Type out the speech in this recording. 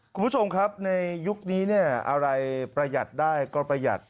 คุณผู้ชมครับในยุคนี้เนี่ยอะไรประหยัดได้ก็ประหยัด